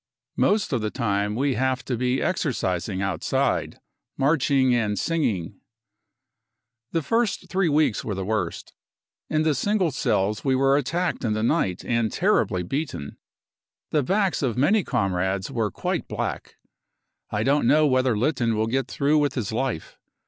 Most of the time we have to be exercising outside, marching and singing, 44 The first three weeks were the worst. In the single cells we were attacked in the night and terribly beaten. The backs of many comrades were quite black. I don't know whether Litten will get through with his life.